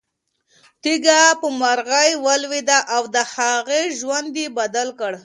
تیږه په مرغۍ ولګېده او د هغې ژوند یې بدل کړ.